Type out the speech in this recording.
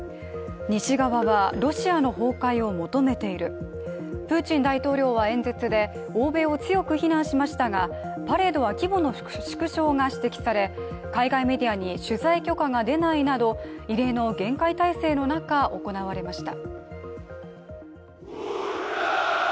西側はロシアの崩壊を求めている、プーチン大統領は演説で欧米を強く非難しましたが、パレードは規模の縮小が指摘され海外メディアに取材許可が出ないなど異例の厳戒態勢の中、行われました。